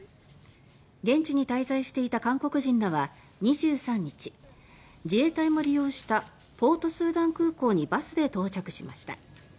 現地に滞在していた韓国人らは２３日、自衛隊も利用したポートスーダン空港にバスで到着しました。